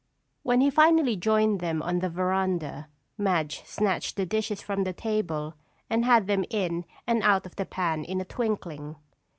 When he finally joined them on the veranda, Madge snatched the dishes from the table and had them in and out of the pan in a twinkling.